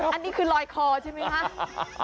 อันนี้คือลอยคอใช่ไหมคะ